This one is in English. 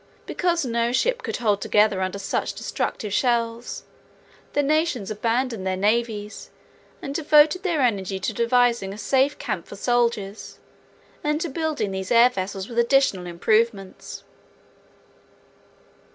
Because no ship could hold together under such destructive shells, the nations abandoned their navies and devoted their energy to devising a safe camp for soldiers and to building these air vessels with additional improvements.